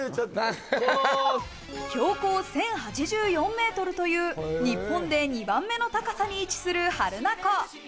標高１０８４メートルという日本で２番目の高さに位置する榛名湖。